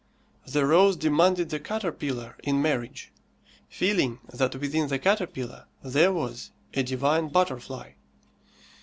The rose demanded the caterpillar in marriage, feeling that within the caterpillar there was a divine butterfly.